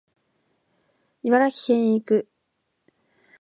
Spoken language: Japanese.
茨城県へ行く